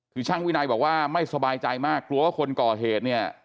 คือช่างวินัยบอกว่าไม่สบายใจมากกลัวว่าคนก่อเหตุเนี่ย